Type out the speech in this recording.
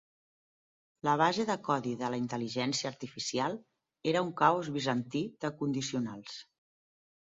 La base de codi de la intel·ligència artificial era un caos bizantí de condicionals.